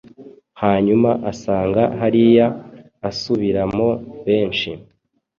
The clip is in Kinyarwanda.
Hanyuma asanga hariya asubiramo benshi